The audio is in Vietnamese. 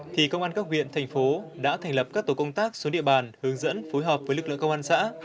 thì công an các huyện thành phố đã thành lập các tổ công tác xuống địa bàn hướng dẫn phối hợp với lực lượng công an xã